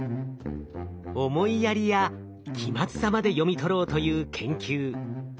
思いやりや気まずさまで読み取ろうという研究。